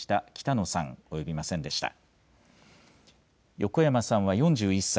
横山さんは４１歳。